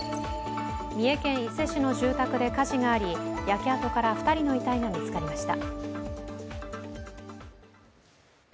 三重県伊勢市の住宅で火事があり焼け跡から２人の遺体が見つかりました。